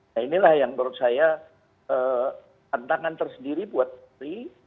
nah inilah yang menurut saya tantangan tersendiri buat polri